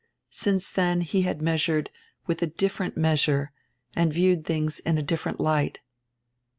Since dien he had measured widi a different measure and viewed tilings in a different light.